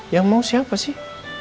yang mau siapa sih